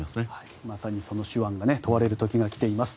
まさにその手腕が問われる時が来ています。